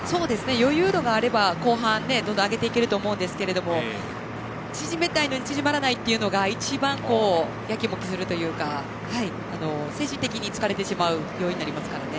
余裕度があれば後半、どんどん上げていくと思うんですけど縮めたいのに縮まらないというのが一番、やきもきするというか精神的に疲れてしまう要因になりますからね。